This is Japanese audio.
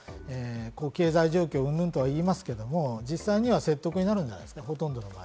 経済状況云々とは言いますけど、実際には説得になるんじゃないですか。